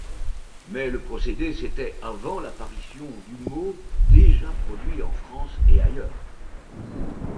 Mais le procédé s’était, avant l’apparition du mot, déjà produit en France et ailleurs.